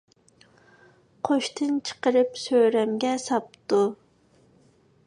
قوشتىن چىقىرىپ سۆرەمگە ساپتۇ.